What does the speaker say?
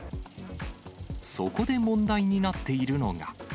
そこで問題になっているのが。